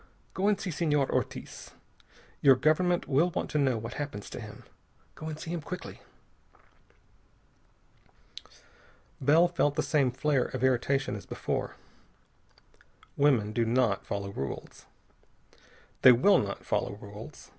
Go and see Senor Ortiz. Your government will want to know what happens to him. Go and see him quickly." Bell felt the same flare of irritation as before. Women do not follow rules. They will not follow rules.